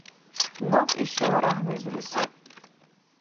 Наб иш шагьар гӀяхӀбилзули саби